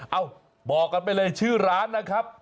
บอกกันไปเลยชื่อร้านนะครับ